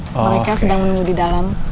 mereka sedang menunggu di dalam